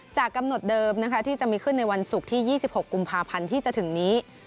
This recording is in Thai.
จากกำหนดเดิมนะคะที่จะมีขึ้นในวันศุกร์ที่๒๖กุมภาพันธ์ที่จะถึงนี้